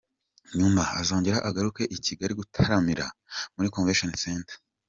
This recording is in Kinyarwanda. Nyuma azongera agaruke i Kigali gutaramira muri Convention Center.